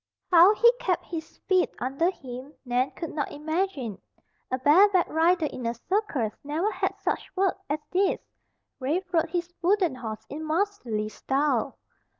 How he kept his feet under him Nan could not imagine. A bareback rider in a circus never had such work as this. Rafe rode his wooden horse in masterly style.